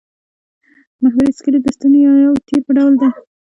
محوري سکلېټ د ستنې یا یو تیر په ډول دی.